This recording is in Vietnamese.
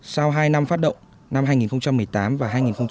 sau hai năm phát động năm hai nghìn một mươi tám và hai nghìn một mươi chín